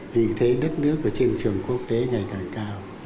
vì thế đất nước của chiêm trường quốc tế ngày càng cao